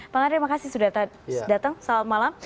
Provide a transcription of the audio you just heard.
bang andre terima kasih sudah datang salam malam